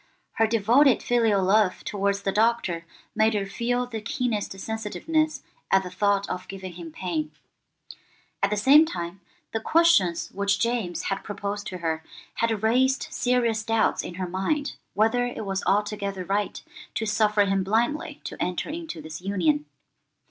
Her devoted filial love towards the Doctor made her feel the keenest sensitiveness at the thought of giving him pain. At the same time, the questions which James had proposed to her had raised serious doubts in her mind whether it was altogether right to suffer him blindly to enter into this union.